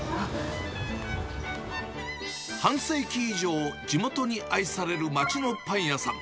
半世紀以上、地元に愛される街のパン屋さん。